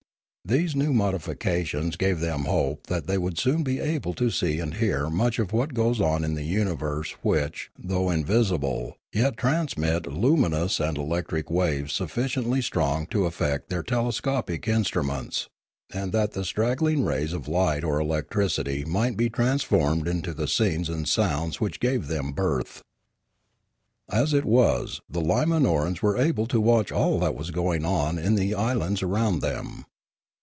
These new modifications gave them hope that they would soon be able to see and hear much of what goes on in universes which, though invisible, yet transmit luminous and electric waves sufficiently strong to affect their telescopic instruments, and that the straggling rays of light or electricity might be 194 Limanora transformed into the scenes and sounds which gave them birth. As it was, the Limanorans were able to watch all that was going on in the islands around them.